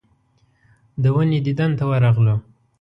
د ونې دیدن ته ورغلو.